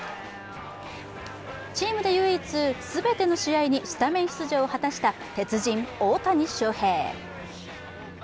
チームで唯一、全ての試合にスタメン出場を果たした鉄人・大谷翔平。